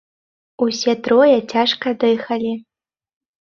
Усе трое цяжка дыхалі.